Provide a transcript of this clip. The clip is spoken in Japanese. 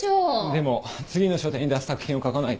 でも次の書展に出す作品を書かないと。